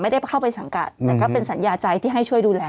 ได้เข้าไปสังกัดแต่ก็เป็นสัญญาใจที่ให้ช่วยดูแล